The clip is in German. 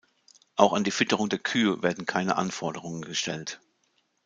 Auch an die Fütterung der Kühe werden keine Anforderungen gestellt.